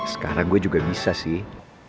sekarang gue juga bisa sih